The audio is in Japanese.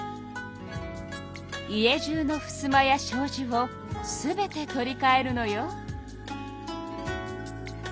家じゅうのふすまやしょうじを全て取りかえるのよ。